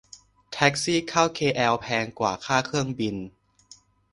แท็กซี่เข้าเคแอลแพงกว่าค่าเครื่องบิน